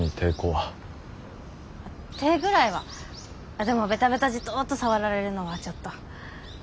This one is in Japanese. あっでもベタベタジトッと触られるのはちょっと。